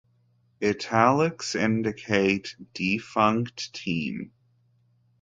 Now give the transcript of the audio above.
"Italics" indicate defunct team.